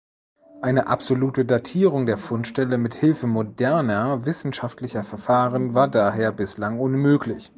Eine absolute Datierung der Fundstelle mit Hilfe moderner wissenschaftlicher Verfahren war daher bislang unmöglich.